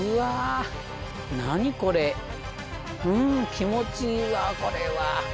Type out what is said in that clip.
気持ちいいわこれは。